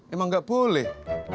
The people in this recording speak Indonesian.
emang gak boleh